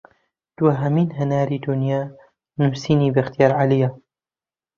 دواهەمین هەناری دونیا نوسینی بەختیار عەلییە